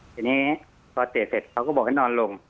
ทีนี้พอเตะเสร็จเขาก็บอกให้นอนลง